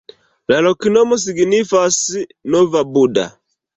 La loknomo signifas: nova-Buda.